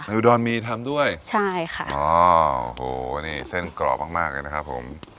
อุดรมีทำด้วยใช่ค่ะอ๋อโอ้โหนี่เส้นกรอบมากมากเลยนะครับผม